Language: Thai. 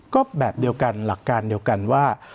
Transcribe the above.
ก็แบบเดียวกันหลักการเดียวกันว่า